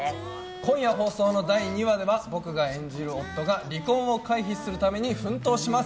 今夜放送の第２話では僕が演じる夫が離婚を回避するために奮闘します。